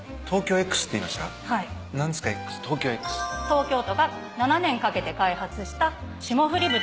東京都が７年かけて開発した霜降り豚。